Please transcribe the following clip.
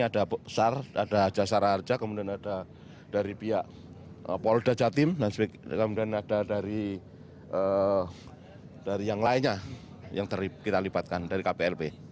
ada sar ada jasara harja kemudian ada dari pihak polda jatim kemudian ada dari yang lainnya yang kita libatkan dari kplp